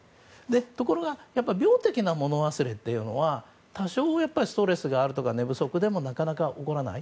ところが、病的なもの忘れは多少ストレスがあるとか寝不足でもなかなか起こらない。